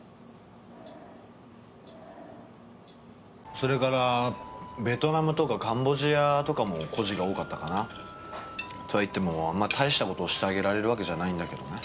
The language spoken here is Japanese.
それからベトナムとかカンボジアとかも孤児が多かったかな。とは言ってもあんま大した事をしてあげられるわけじゃないんだけどね。